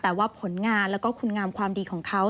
แต่ว่าผลงานแล้วก็คุณงามความดีของเขา